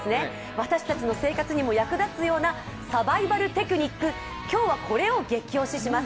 私たちの生活にも役立つようなサバイバルテクニック今日はこれをゲキ推しします。